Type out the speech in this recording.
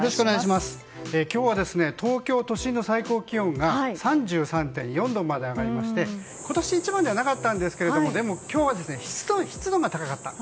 今日は東京都心の最高気温が３３．４度まで上がりまして今年一番ではなかったんですけどでも今日は湿度が高かった。